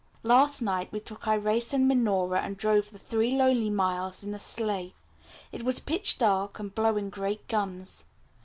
Last night we took Irais and Minora, and drove the three lonely miles in a sleigh. It was pitch dark, and blowing great guns.